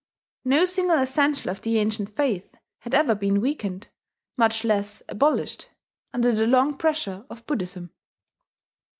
No single essential of the ancient faith had ever been weakened, much less abolished, under the long pressure of Buddhism.